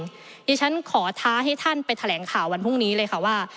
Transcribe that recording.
ดิฉันขอท้าให้ท่านไปแถลงข่าววันพรุ่งนี้เลยค่ะว่า